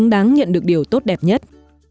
đã nhận được điều tốt đẹp nhất